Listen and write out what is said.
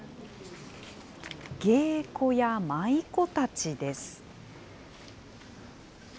芸妓や舞妓たちです。